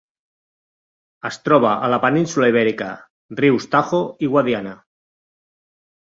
Es troba a la península Ibèrica: rius Tajo i Guadiana.